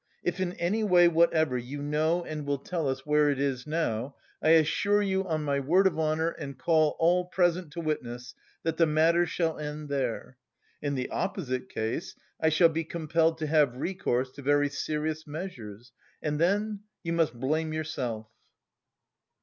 If in any way whatever you know and will tell us where it is now, I assure you on my word of honour and call all present to witness that the matter shall end there. In the opposite case I shall be compelled to have recourse to very serious measures and then... you must blame yourself."